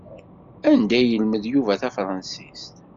Anda i yelmed Yuba tafransist?